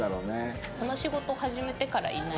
この仕事始めてからいない。